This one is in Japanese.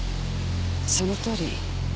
そのとおり。